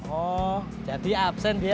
oh jadi absen dia